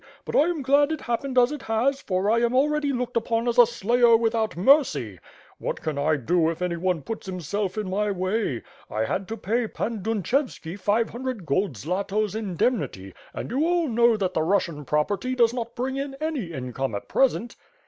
But I am glad it happened as it has, for I am already looked upon as a slayer without mercy. What can I do if anyone puts himself in my way? I had to pay Pan 56o WITU FIRE AND SWORD. Dunchevski five hundred gold zlatos indemnity, and you all know that the Russian property does not bring in any income at present."